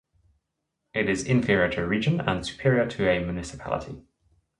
It is inferior to a Region and superior to a municipality.